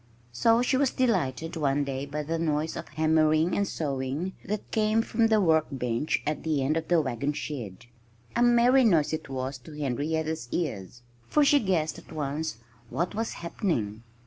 So she was delighted one day by the noise of hammering and sawing that came from the workbench at the end of the wagon shed. A merry noise it was, to Henrietta's ears; for she guessed at once what was happening.